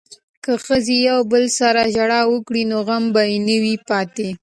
که ښځې یو بل سره ژړا وکړي نو غم به نه وي پاتې.